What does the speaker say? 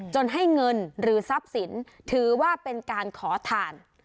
ให้เงินหรือทรัพย์สินถือว่าเป็นการขอทาน